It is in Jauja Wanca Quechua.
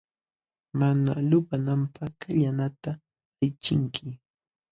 Mana lupananpaq kallanata aychinki.